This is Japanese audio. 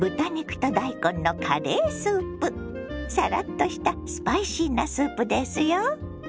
サラッとしたスパイシーなスープですよ。